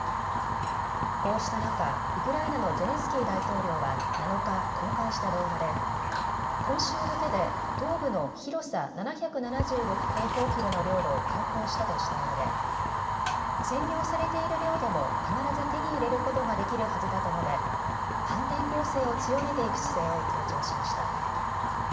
こうした中、ウクライナのゼレンスキー大統領は７日、公開した動画で今週だけで東部の広さ７７６平方キロの領土を解放したとしたうえで占領されている領土も必ず手に入れることができるはずだと述べ反転攻勢を強めていく姿勢を強調しました。